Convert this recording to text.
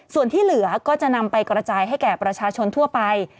ส่วนที่เหลือก็จะนำไปกระจายให้แก่ประชาชนทั่วไป